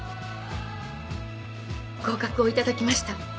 合格を頂きました。